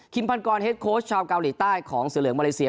พันกรเฮดโค้ชชาวเกาหลีใต้ของเสือเหลืองมาเลเซีย